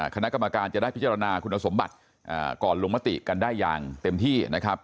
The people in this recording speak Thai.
คณะกรรมการจะได้พิจารณาคุณสมบัติก่อนลงมติกันได้อย่างเต็มที่นะครับ